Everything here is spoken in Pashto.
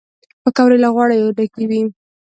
پکورې له غوړیو ډکې وي